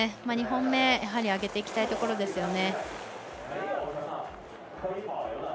２本目上げていきたいところです。